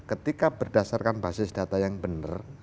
ketika berdasarkan basis data yang benar